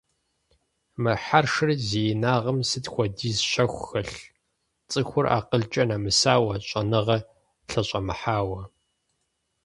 Мы хьэршыр зи инагъым сыт хуэдиз щэху хэлъ, цӀыхур акъылкӀэ нэмысауэ, щӀэныгъэр лъэщӀэмыхьауэ!